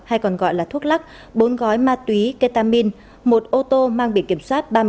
hay còn gọi là thuốc lắc bốn gói ma túy ketamin một ô tô mang biển kiểm soát ba mươi tám a một mươi nghìn bốn trăm tám mươi bảy